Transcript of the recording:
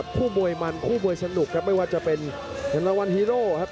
อาจารย์ที่เพย์ยังจะเน้นตามแค่งขวาครับเล่นงานหาลากก่อนครับ